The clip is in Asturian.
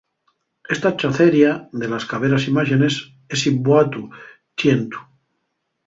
Esa ḷḷaceria de las caberas imáxenes, esi buatu ḷḷientu.